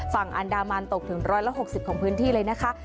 ฝั่งอันดามันตกถึง๑๖๐ของพื้นที่เลยนะคะ